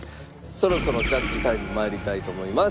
そろそろジャッジタイム参りたいと思います。